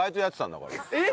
えっ？